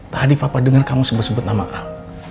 tadi papa dengar kamu sebut sebut nama a